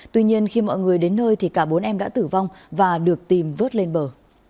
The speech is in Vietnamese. tuy nhiên khi mọi người đến nơi thì cả bốn em đã tử vong và được tìm vớt lên bờ